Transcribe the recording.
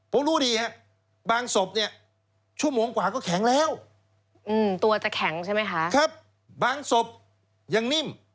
ผมรู้ดีฮะบางศพเนี่ยชั่วโมงกว่าก็แข็งแล้วตัวจะแข็งใช่ไหมคะครับบางศพยังนิ่ม